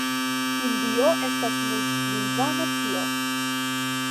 Hindio estas multlingva nacio.